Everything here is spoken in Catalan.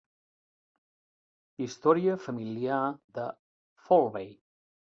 "Història familiar de Falvey".